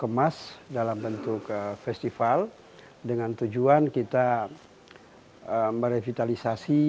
kemas dalam bentuk festival dengan tujuan kita merevitalisasi